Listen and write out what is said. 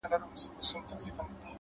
وخت د ژوند تر ټولو قیمتي امانت دی،